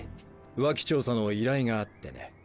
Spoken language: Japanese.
浮気調査の依頼があってね。